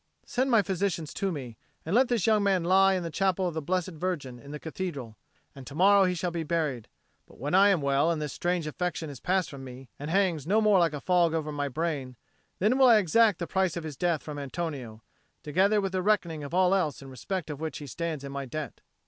Send my physician to me. And let this young man lie in the Chapel of the Blessed Virgin in the Cathedral, and to morrow he shall be buried. But when I am well, and this strange affection is passed from me, and hangs no more like a fog over my brain, then I will exact the price of his death from Antonio, together with the reckoning of all else in respect of which he stands in my debt."